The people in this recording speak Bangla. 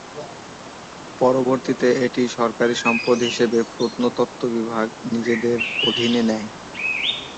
পরবর্তীতে এটি সরকারি সম্পদ হিসেবে প্রত্নতত্ত্ব বিভাগ নিজেদের অধীনে নেয়।